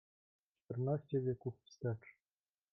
"Czternaście wieków wstecz."